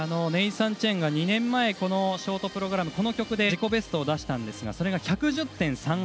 ネイサン・チェンが２年前のショートプログラムこの曲で自己ベストを出したんですがそれが１１０．３８。